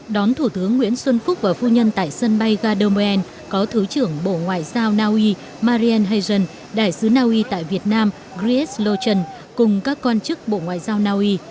đón thủ tướng nguyễn xuân phúc và phu nhân tại sân bay gardermoen có thứ trưởng bộ ngoại giao naui marian heijen đại sứ naui tại việt nam gries lohchen cùng các quan chức bộ ngoại giao naui